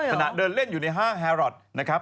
ขณะเดินเล่นอยู่ในห้างแฮรอทนะครับ